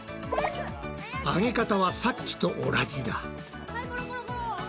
揚げ方はさっきと同じだ。